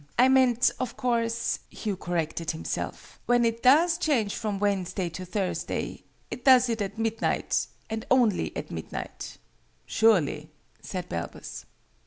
"I meant, of course," Hugh corrected himself, "when it does change from Wednesday to Thursday, it does it at midnight and only at midnight." "Surely," said Balbus.